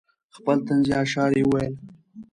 خپل طنزیه اشعار یې وویل.